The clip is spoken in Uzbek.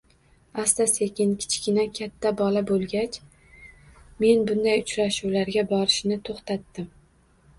Asta -sekin, kichkina "katta bola" bo'lgach, men bunday uchrashuvlarga borishni to'xtatdim